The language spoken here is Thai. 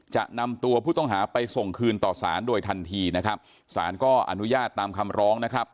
จะนำตัวผู้ต้องหาไปส่งคืนต่อสารโดยทันทีนะครับสารก็อนุญาตตามคำร้องนะครับ